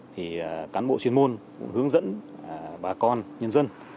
thì cán bộ chuyên môn cũng hướng dẫn bà con nhân dân